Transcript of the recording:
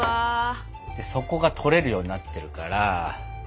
底が取れるようになってるから。